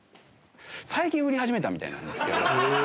最近売り始めたみたいなんですけど。